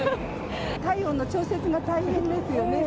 体温の調整が大変ですよね。